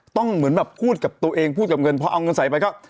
เหมือนแบบพูดกับตัวเองพูดกับเงินพอเอาเงินใส่ไปก็